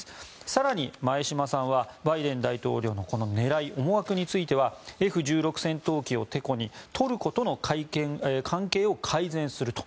更に前嶋さんはバイデン大統領のこの狙い、思惑についてはＦ１６戦闘機をてこにトルコとの関係を改善すると。